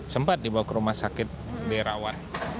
sempat dibawa ke rumah sakit daerah awan